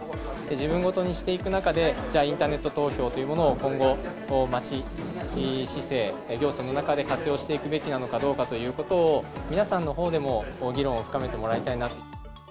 自分事にしていく中で、じゃあ、インターネット投票というものを今後、町、市政、行政の中で活用していくべきなのかどうかということを、皆さんのほうでも議論を深めてもらいたいなと。